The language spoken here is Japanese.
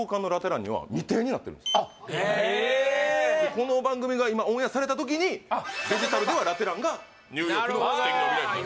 この番組が今オンエアされた時にデジタルではラテ欄が「ニューヨークのすてきに帯らいふ」